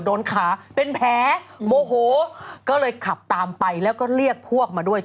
โดนขาเป็นแผลโมโหก็เลยขับตามไปแล้วก็เรียกพวกมาด้วย